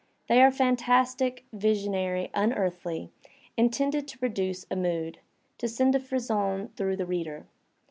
They are fantastic, visionary, unearthly, intended to produce a mood, to send a frisson through the reader.